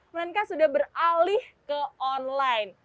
melainkan sudah beralih ke online